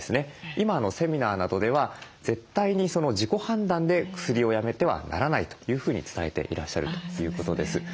今セミナーなどでは絶対に自己判断で薬をやめてはならないというふうに伝えていらっしゃるということです。